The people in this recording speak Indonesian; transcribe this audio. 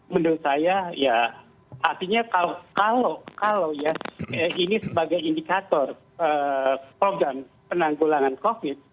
menurut saya ya artinya kalau ya ini sebagai indikator program penanggulangan covid